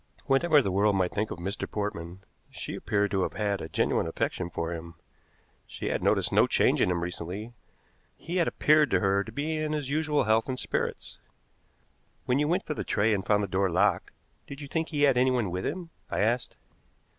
Whatever the world might think of Mr. Portman, she appeared to have a genuine affection for him. She had noticed no change in him recently; he had appeared to her to be in his usual health and spirits. "When you went for the tray and found the door locked, did you think he had anyone with him?" I asked.